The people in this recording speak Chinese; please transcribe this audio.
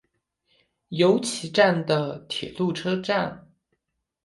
由岐站的铁路车站。